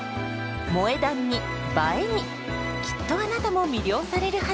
「萌え断」に「映え」にきっとあなたも魅了されるはず！